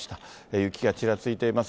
雪がちらついています。